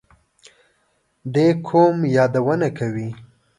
دې قوم یادونه کوي.